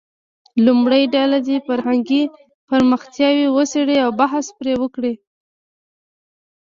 لومړۍ ډله دې فرهنګي پرمختیاوې وڅېړي او بحث پرې وکړي.